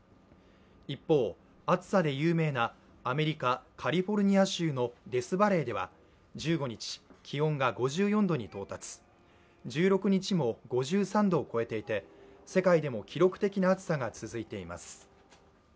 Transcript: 一方、暑さで有名なアメリカ・カリフォルニア州のデスバレーでは、気温が５４度に到達１６日も５３度を超えていて世界でも記録的な暑さが続いています。